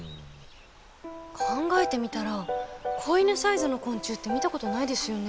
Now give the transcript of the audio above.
考えてみたら子犬サイズの昆虫って見たことないですよね？